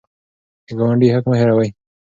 د ګاونډي حق مه هېروئ.